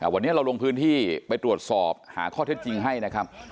วันนี้เราลงพื้นที่ไปตรวจสอบหาข้อเท็จจริงให้นะครับ